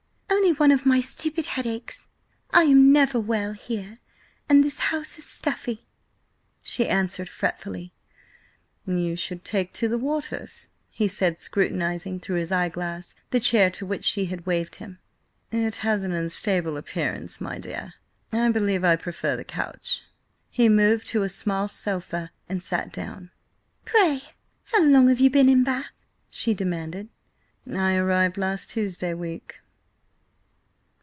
Only one of my stupid headaches. I am never well here, and this house is stuffy," she answered fretfully. "You should take the waters," he said, scrutinising, through his eyeglass, the chair to which she had waved him. "It has an unstable appearance, my dear; I believe I prefer the couch." He moved to a smaller sofa and sat down. "Pray, how long have you been in Bath?" she demanded. "I arrived last Tuesday week."